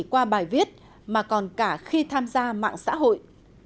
qua bài viết mà còn cả khi tham gia mạng xã hội